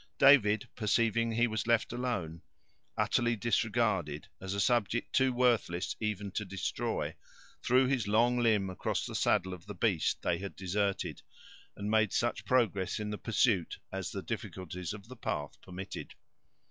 David, perceiving that he was left alone, utterly disregarded as a subject too worthless even to destroy, threw his long limb across the saddle of the beast they had deserted, and made such progress in the pursuit as the difficulties of the path permitted.